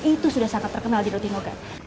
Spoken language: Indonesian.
itu sudah sangat terkenal di roti noblat